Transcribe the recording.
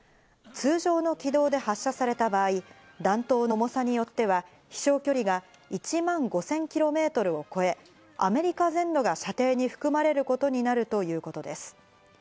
通常の軌道で発射された場合、弾頭の重さによっては飛翔距離が１万５０００キロメートルを超え、アメリカ全土が射程に含まれることになるということです。